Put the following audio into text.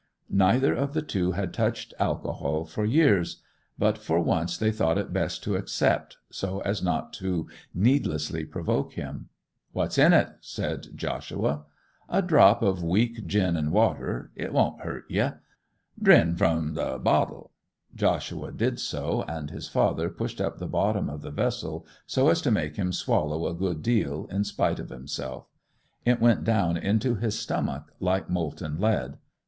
Neither of the two had touched alcohol for years, but for once they thought it best to accept, so as not to needlessly provoke him. 'What's in it?' said Joshua. 'A drop of weak gin and water. It won't hurt ye. Drin' from the bottle.' Joshua did so, and his father pushed up the bottom of the vessel so as to make him swallow a good deal in spite of himself. It went down into his stomach like molten lead.